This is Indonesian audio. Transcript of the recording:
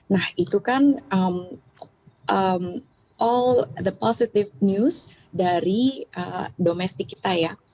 nah itu kan all the positive news dari domestik kita ya